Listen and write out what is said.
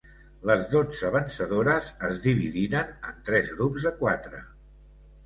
Les dotze vencedores es dividiren en tres grups de quatre.